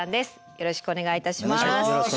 よろしくお願いします。